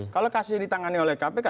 kalau kasus ini ditangani oleh kpk